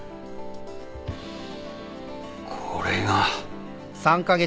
これが。